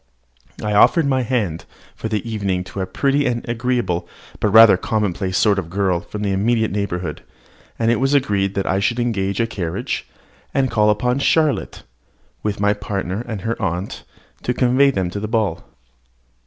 I offered my hand for the evening to a pretty and agreeable, but rather commonplace, sort of girl from the immediate neighbourhood; and it was agreed that I should engage a carriage, and call upon Charlotte, with my partner and her aunt, to convey them to the ball.